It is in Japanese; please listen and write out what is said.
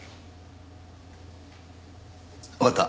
わかった。